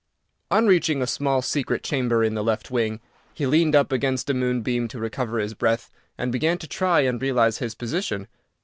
On reaching a small secret chamber in the left wing, he leaned up against a moonbeam to recover his breath, and began to try and realize his position.